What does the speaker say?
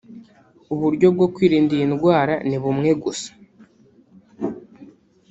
Uburyo bwo kwirinda iyi ndwara ni bumwe gusa